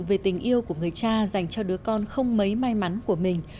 về tình yêu của người cha dành cho đứa con không mấy may mắn của mình